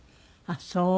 あっそう。